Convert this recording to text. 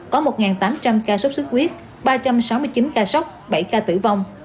có một tám trăm linh ca sốt xuất huyết ba trăm sáu mươi chín ca sốc bảy ca tử vong